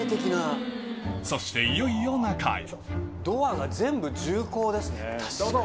そしていよいよ中へどうぞ。